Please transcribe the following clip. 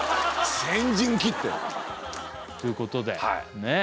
先陣切ってということでねえ